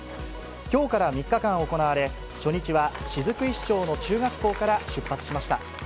きょうから３日間行われ、初日は雫石町の中学校から出発しました。